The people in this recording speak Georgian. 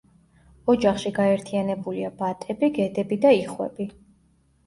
ოჯახში გაერთიანებულია ბატები, გედები და იხვები.